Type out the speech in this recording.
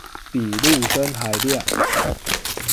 比路燈還亮